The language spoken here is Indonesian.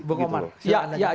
bok omar silakan